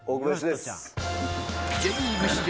Ｊリーグ史上